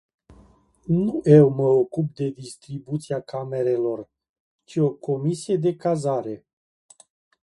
Nu eu mă ocup de distribuția camerelor, ci o comisie de cazare.